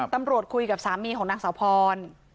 ตำรวจคุยกับสามีของนางสาวพร